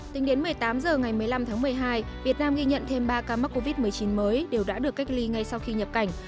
tính đến một mươi tám h ngày một mươi năm tháng một mươi hai việt nam ghi nhận thêm ba ca mắc covid một mươi chín mới đều đã được cách ly ngay sau khi nhập cảnh